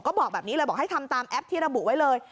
ก็บอกแบบนี้เลยบอกให้ทำตามแอปที่ระบุไว้เลย